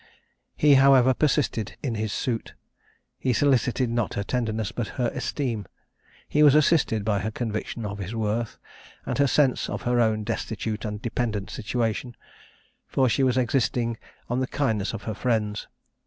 He, however, persisted in his suit. He solicited not her tenderness, but her esteem. He was assisted by her conviction of his worth, and her sense of her own destitute and dependent situation; for she was existing on the kindness of her friends.